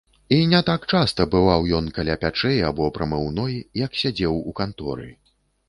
І не так часта бываў ён каля пячэй або прамыўной, як сядзеў у канторы.